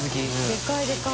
でかいでかい。